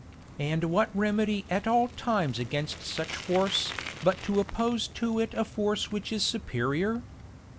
And what remedy at all times against such force, but to oppose to it a force which is superior?